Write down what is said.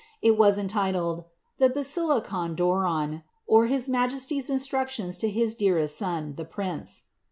It was entitled, ^ The Basilicon Doron ; or^ his Majesty's Instructions to his dearest Son, the Prince."